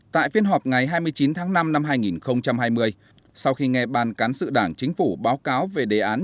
tại phiên họp ngày hai mươi chín tháng năm năm hai nghìn hai mươi sau khi nghe ban cán sự đảng chính phủ báo cáo về đề án